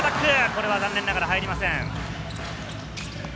これは残念ながら入りません。